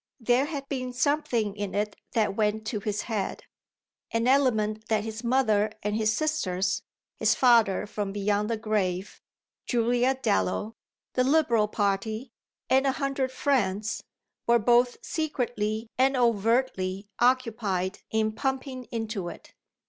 There had been something in it that went to his head an element that his mother and his sisters, his father from beyond the grave, Julia Dallow, the Liberal party and a hundred friends, were both secretly and overtly occupied in pumping into it.